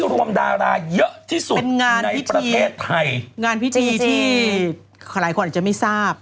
เพราะว่าตัวเองเองไปเกาหลี